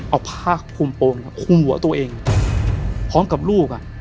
เอาผ้าคุมโปรงคุมหัวตัวเองพร้อมกับลูกอ่ะ